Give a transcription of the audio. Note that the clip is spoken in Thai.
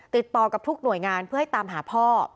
ติดต่อกับทุกหน่วยงานเพื่อให้ตามหาพ่อ